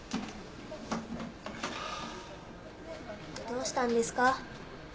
どうしたんですか？